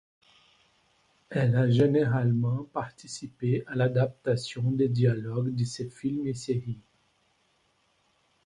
Elle a généralement participé à l'adaptation des dialogues de ses films et séries.